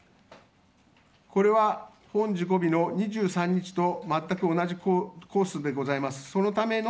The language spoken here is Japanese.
これは本事故日の２３日と全く同じコースでございます。